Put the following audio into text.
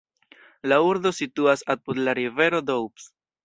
La urbo situas apud la rivero Doubs.